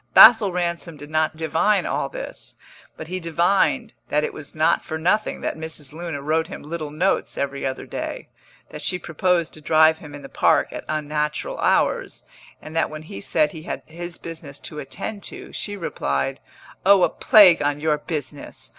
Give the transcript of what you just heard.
Basil Ransom did not divine all this, but he divined that it was not for nothing that Mrs. Luna wrote him little notes every other day, that she proposed to drive him in the Park at unnatural hours, and that when he said he had his business to attend to, she replied: "Oh, a plague on your business!